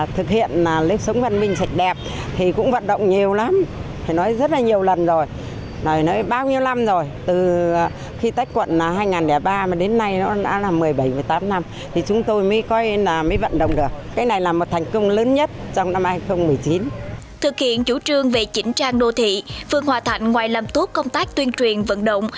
thực hiện chủ trương về chỉnh trang đô thị phường hòa thạnh ngoài làm tốt công tác tuyên truyền vận động